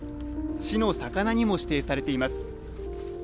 市の魚にも指定されています。